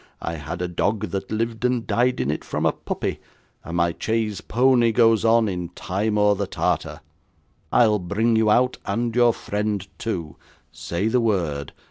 I had a dog that lived and died in it from a puppy; and my chaise pony goes on, in Timour the Tartar. I'll bring you out, and your friend too. Say the word.